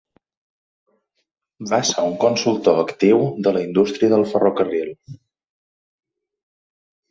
Va ser un consultor actiu de la indústria del ferrocarril.